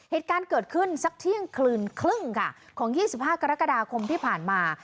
เหตุการณ์เกิดขึ้นสักเที่ยงคืนครึ่งค่ะของ๒๕กรกฎาคมที่ผ่านมา